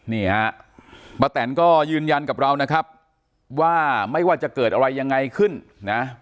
นี่ฮะป้าแตนก็ยืนยันกับเรานะครับว่าไม่ว่าจะเกิดอะไรยังไงขึ้นนะ